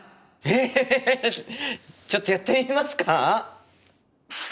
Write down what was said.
えちょっとやってみますか？